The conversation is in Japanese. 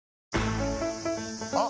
あ！